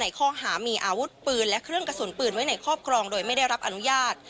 ข้อหามีอาวุธปืนและเครื่องกระสุนปืนไว้ในครอบครองโดยไม่ได้รับอนุญาต